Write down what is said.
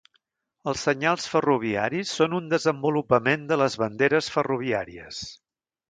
Els senyals ferroviaris són un desenvolupament de les banderes ferroviàries.